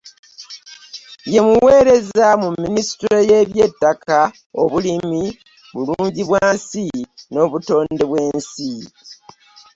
Ye omuweereza mu Minisitule y'ebyettaka, obulimi, Bulungibwansi n'obutonde bw'ensi